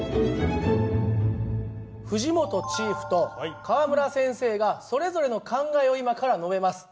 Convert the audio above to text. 藤本チーフと川村先生がそれぞれの考えを今から述べます。